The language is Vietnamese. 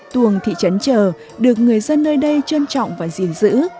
tuồng thị trấn chờ được người dân nơi đây trân trọng và gìn giữ